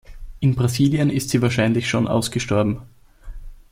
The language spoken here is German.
In Brasilien ist sie wahrscheinlich schon ausgestorben.